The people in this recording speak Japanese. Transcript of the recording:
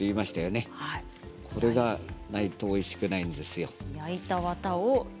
これがないとおいしくないんですよ。